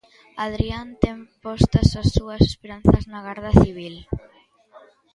Adrián ten postas as súas esperanzas na Garda Civil.